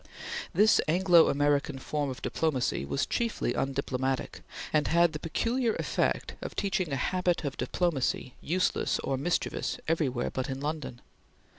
This Anglo American form of diplomacy was chiefly undiplomatic, and had the peculiar effect of teaching a habit of diplomacy useless or mischievous everywhere but in London.